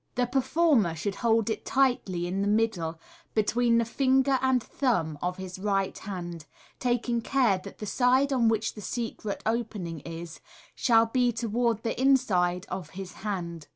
T'1 urformer should hold it tightly by the middle between the finger and thumb of his right hand, taking care that the side on which the secret opening is shall fie toward the inside of his hand.